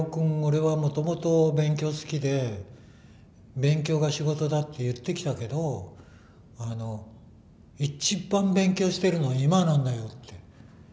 俺はもともと勉強好きで勉強が仕事だって言ってきたけど一番勉強してるのは今なんだよ」って言ってたから。